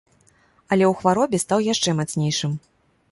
Але ў хваробе стаў яшчэ мацнейшым.